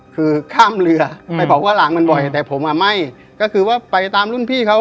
คือข้ามเรือไปบอกว่าหลังมันบ่อยแต่ผมอ่ะไม่ก็คือว่าไปตามรุ่นพี่เขา